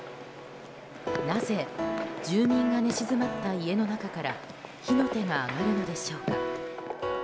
なぜ住民が寝静まった家の中から火の手が上がるのでしょうか。